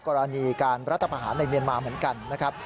กรณีการรัฐประหารในเมียนมาเหมือนกันนะครับ